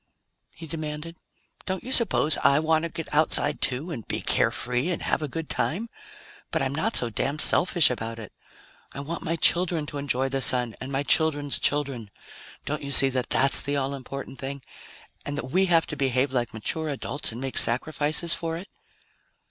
he demanded. "Don't you suppose I want to get outside, too, and be carefree and have a good time? But I'm not so damn selfish about it. I want my children to enjoy the Sun, and my children's children. Don't you see that that's the all important thing and that we have to behave like mature adults and make sacrifices for it?"